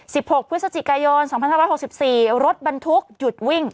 หกพฤศจิกายนสองพันห้าร้อยหกสิบสี่รถบรรทุกหยุดวิ่ง